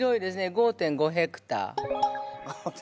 ５．５ヘクタール。